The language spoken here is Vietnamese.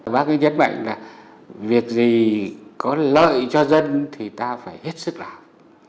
bác ấy nhấn mạnh là việc gì có lợi cho dân thì ta phải hết sức làm